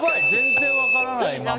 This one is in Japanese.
全然分からない。